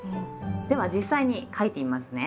では実際に書いてみますね。